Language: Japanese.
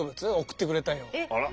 あら。